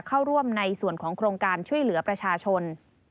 เข้าร่วมในส่วนของโครงการช่วยเหลือประชาชน